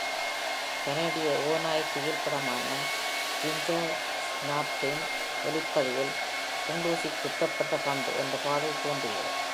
கனடிய ஓநாய் திகில் படமான ஜிஞ்சர் ஸ்னாப்ஸின் ஒலிப்பதிவில் "குண்டூசிக் குத்தப்பட்ட பந்து" என்ற பாடல் தோன்றியது.